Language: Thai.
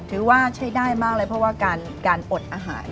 ถือว่าใช้ได้มากเลยเพราะว่าการอดอาหาร